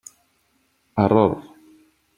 Error.